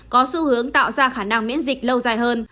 có xu hướng tạo ra khả năng miễn dịch lâu dài hơn